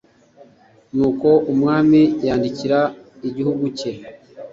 nuko umwami yandikira igihugu cye